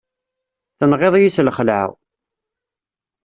Tenɣiḍ-iyi s lxeεla!